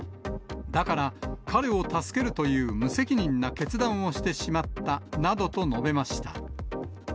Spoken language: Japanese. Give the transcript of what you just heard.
だから、彼を助けるという無責任な決断をしてしまったなどと述べました。